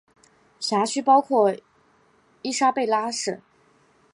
辖区包括伊莎贝拉省。